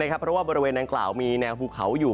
เพราะว่าบริเวณดังกล่าวมีแนวภูเขาอยู่